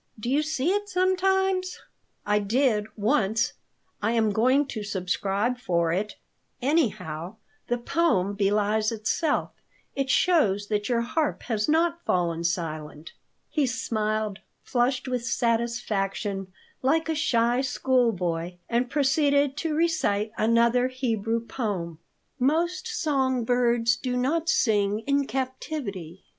Do you see it sometimes?" "I did, once. I am going to subscribe for it. Anyhow, the poem belies itself. It shows that your harp has not fallen silent." He smiled, flushed with satisfaction, like a shy schoolboy, and proceeded to recite another Hebrew poem: "Most song birds do not sing in captivity.